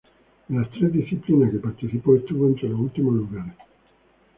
En las tres disciplinas que participó, estuvo entre los últimos lugares.